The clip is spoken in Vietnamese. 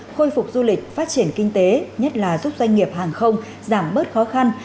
khôi phục du lịch phát triển kinh tế nhất là giúp doanh nghiệp hàng không giảm bớt khó khăn